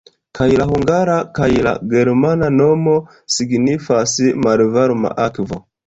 Kaj la hungara kaj la germana nomo signifas "malvarma akvo".